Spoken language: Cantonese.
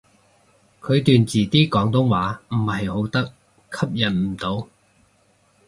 佢段字啲廣東話唔係好得，吸引唔到